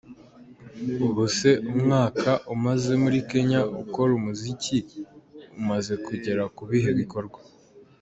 com: ubuse umwaka umaze muri Kenya ukora umuziki umaze kugera ku bihe bikorwa?.